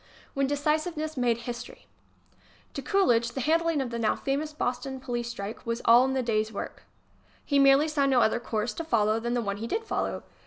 i&? When Decisiveness Made History To Coolidge the handling of the now famous Boston police strike was all in the day's work. He merely saw no other course to follow than the one he did follow.